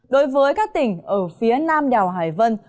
đối với các tỉnh ở phía nam đảo hải vân